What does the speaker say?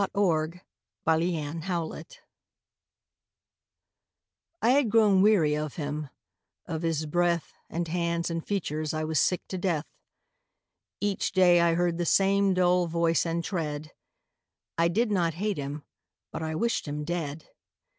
THOU SHALT NOT KILL I had grown weary of him; of his breath And hands and features I was sick to death. Each day I heard the same dull voice and tread; I did not hate him: but I wished him dead.